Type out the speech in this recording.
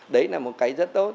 đấy là một cái rất tốt